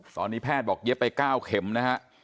ตอนนี้แพทย์บอกเย็บไป๙เข็มนะฮะ